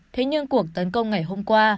thế nhưng cuộc tấn công ngày hôm qua